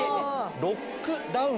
「ロックダウン」。